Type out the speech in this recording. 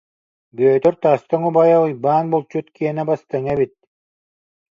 Бүөтүр тастыҥ убайа Уйбаан булчут киэнэ бастыҥа эбит